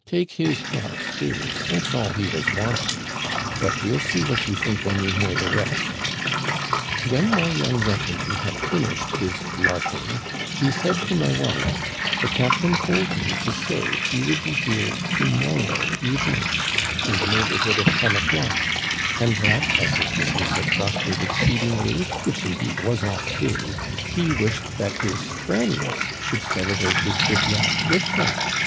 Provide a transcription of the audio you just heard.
" Take his part, do ; that's all he was wanting. But we'll see what you think when you hear the rest. When my young gentleman had finished his larking, he said to my wife :* The captain told me to say he would be here to mor row evening, in the neighborhood of ten o'clock, and that, as his business had prospered exceedingly (which, indeed, was all true), he wished that his friends should celebrate his good luck with him.